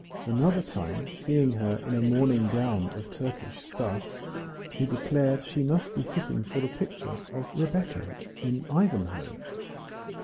Another time seeing her in a. morning gown of Turkish stuff, he declared she must be sitting for the picture of Rebecca in "Ivanhoe."